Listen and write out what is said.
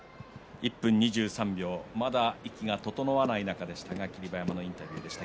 １分２３秒まだ息が整わない霧馬山のインタビューでした。